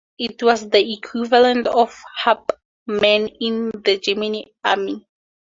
It was the equivalent of a "Hauptmann" in the German army.